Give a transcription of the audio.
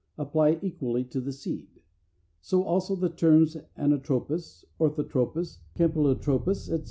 apply equally to the seed: so also the terms anatropous, orthotropous, campylotropous, etc.